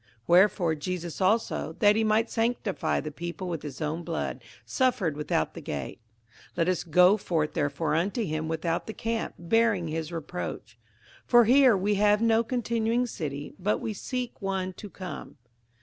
58:013:012 Wherefore Jesus also, that he might sanctify the people with his own blood, suffered without the gate. 58:013:013 Let us go forth therefore unto him without the camp, bearing his reproach. 58:013:014 For here have we no continuing city, but we seek one to come.